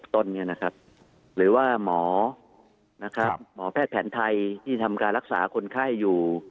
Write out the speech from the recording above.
ต้นเนี่ยนะครับหรือว่าหมอนะครับหมอแพทย์แผนไทยที่ทำการรักษาคนไข้อยู่